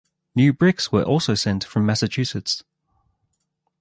New bricks were also sent from Massachusetts.